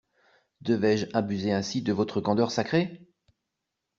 Devais-je abuser ainsi de votre candeur sacrée.